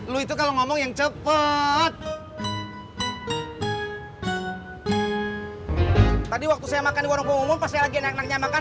lu itu kalau ngomong yang cepet tadi waktu saya makan di warung pomomun pas lagi anaknya makan